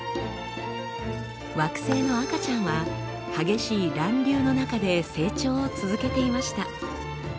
惑星の赤ちゃんは激しい乱流の中で成長を続けていました。